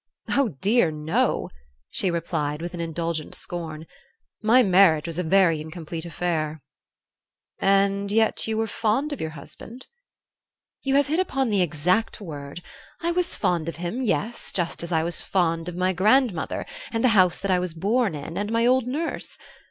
"Oh, dear, no," she replied, with an indulgent scorn, "my marriage was a very incomplete affair." "And yet you were fond of your husband?" "You have hit upon the exact word; I was fond of him, yes, just as I was fond of my grandmother, and the house that I was born in, and my old nurse.